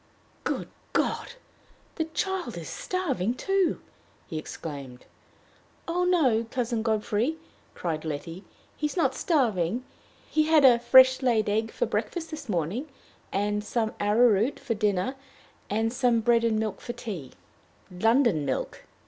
"Good God! the child is starving, too," he exclaimed. "Oh, no, Cousin Godfrey!" cried Letty; "he is not starving. He had a fresh laid egg for breakfast this morning, and some arrowroot for dinner, and some bread and milk for tea " "London milk!"